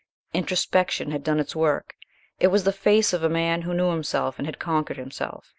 Introspection had done its work. It was the face of a man who knew himself and had conquered himself.